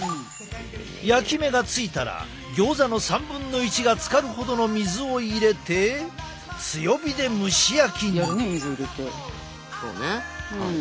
焼き目がついたらギョーザの３分の１がつかるほどの水を入れて強火で蒸し焼きに。